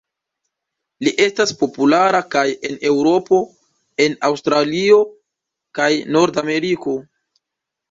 Li estas populara kaj en Eŭropo, en Aŭstralio kaj en Norda Ameriko.